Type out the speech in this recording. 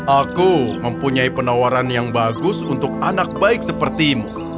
aku mempunyai penawaran yang bagus untuk anak baik sepertimu